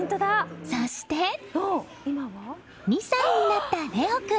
そして２歳になった令凰君。